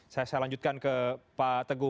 saya lanjutkan ke pak teguh